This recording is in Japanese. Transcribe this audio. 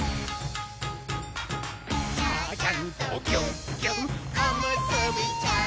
「ちゃちゃんとぎゅっぎゅっおむすびちゃん」